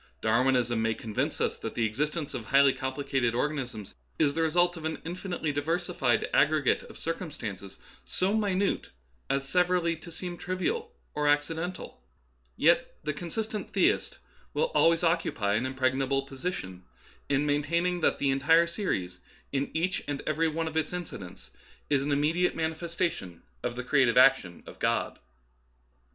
Darwinism may convince us that the existence of highly complicated organisms is the result of an infinitely diversified aggregate of circumstances so minute as severally to seem trivial or acciden tal ; yet the consistent theist will always occupy an impregnable position in maintaining that the entire series in each and every one of its incidents is an immediate manifestation of the creative ac tion of God.